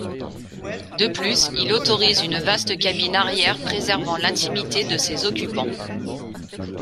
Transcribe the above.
De plus, il autorise une vaste cabine arrière préservant l’intimité de ses occupants.